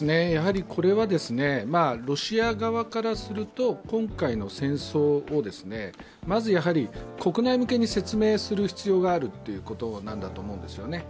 これはロシア側からすると今回の戦争をまず国内向けに説明する必要があるということなんだと思うんです。